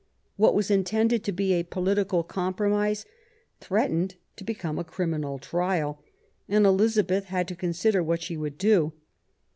What was intended to be a political com promise threatened to become a criminal trial, and Elizabeth had to consider what she would do.